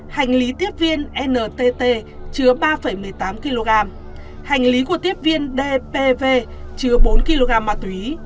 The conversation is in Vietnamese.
hành lý tiếp viên ntt chứa ba một mươi tám kg hành lý của tiếp viên dpv chứa bốn kg ma túy